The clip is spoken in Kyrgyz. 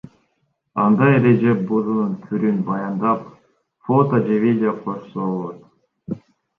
Анда эреже бузуунун түрүн баяндап, фото же видео кошсо болот.